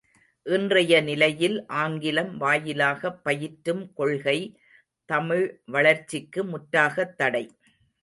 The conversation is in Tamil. இன்றைய நிலையில் ஆங்கிலம் வாயிலாகப் பயிற்றும் கொள்கை தமிழ் வளர்ச்சிக்கு முற்றாகத் தடை.